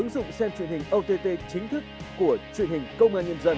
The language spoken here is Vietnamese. đã xem truyền hình ott chính thức của truyền hình công an nhân dân